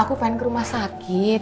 aku pengen ke rumah sakit